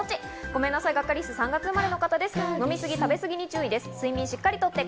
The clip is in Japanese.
ごめんなさい、ガッカりす３月生まれの方です。